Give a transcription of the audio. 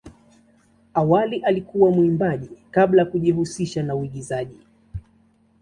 Awali alikuwa mwimbaji kabla ya kujihusisha na uigizaji.